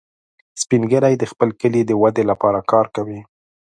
سپین ږیری د خپل کلي د ودې لپاره کار کوي